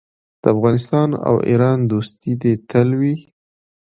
د افغانستان او ایران دوستي دې تل وي.